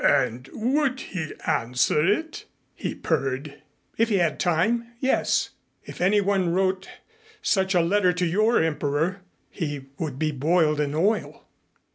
"And would he answer it?" he purred. "If he had time, yes. If anyone wrote such a letter to your Emperor, he would be boiled in oil."